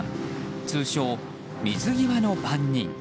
通称、水際の番人。